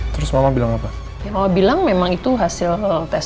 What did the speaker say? terus mama bilang apa ya mama bilang memang itu hasil tes